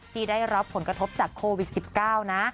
ที่ได้รับผลกระทบจากโควิด๑๙นะ